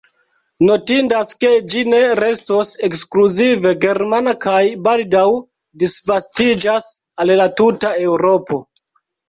Notindas ke ĝi ne restos ekskluzive germana kaj baldaŭ disvastiĝas al la tuta Eŭropo.